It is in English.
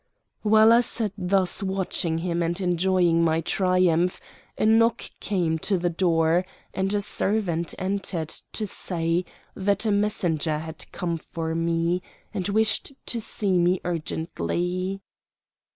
While I sat thus watching him and enjoying my triumph, a knock came to the door and a servant entered to say that a messenger had come for me, and wished to see me urgently.